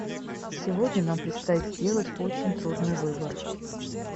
Сегодня нам предстоит сделать очень трудный выбор.